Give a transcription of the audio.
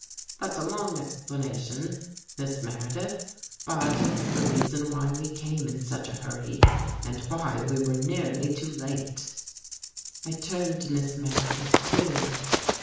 That's a long explanation, Miss Meredith, but it's the reason why we came in such a hurry and why we were so nearly too late." I turned to Miss Meredith, too.